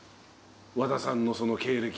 和田さんのその経歴。